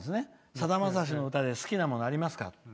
さだまさしの歌で好きなものありますかって。